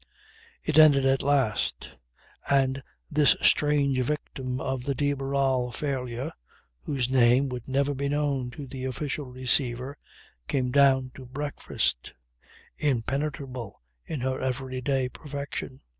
It ended at last; and this strange victim of the de Barral failure, whose name would never be known to the Official Receiver, came down to breakfast, impenetrable in her everyday perfection.